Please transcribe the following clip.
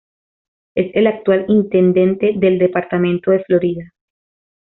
Es el actual Intendente del Departamento de Florida.